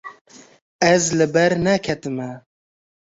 Ez li ber neketime.